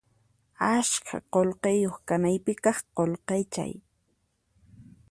Ashka qullqiyuq kanaykipaq qullqichay